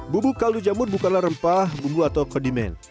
bubuk kaldu jamur bukanlah rempah bumbu atau kodimen